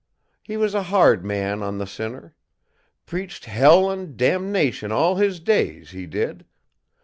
He was a hard man on the sinner. Preached hell and damnation all his days, he did.